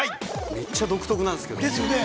めっちゃ独特なんですけど。